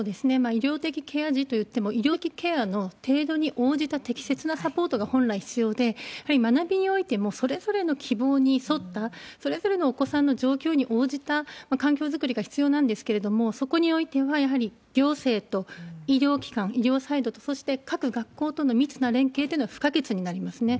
医療的ケア児といっても、医療的ケアの程度に応じた適切なサポートが本来必要で、やはり学びにおいても、それぞれの希望に沿った、それぞれのお子さんの状況に応じた環境作りが必要なんですけれども、そこにおいてはやはり行政と医療機関、医療サイドと、そして各学校との密な連携での不可欠になりますね。